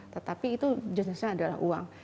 tetapi itu jenisnya adalah uang